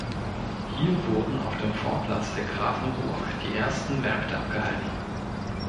Hier wurden auf dem Vorplatz der Grafenburg die ersten Märkte abgehalten.